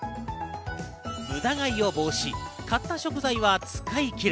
無駄買いを防止、買った食材は使い切る。